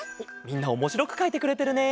みんなおもしろくかいてくれてるね。